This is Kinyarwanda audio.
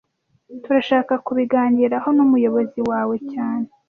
Turashaka kubiganiraho numuyobozi wawe cyane